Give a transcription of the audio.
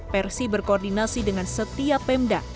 persi berkoordinasi dengan setiap pemda